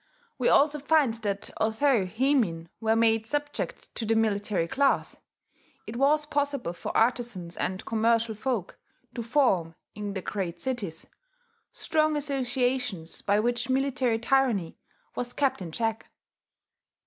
We also find that although heimin were made subject to the military class, it was possible for artizans and commercial folk to form, in the great cities, strong associations by which military tyranny was kept in check.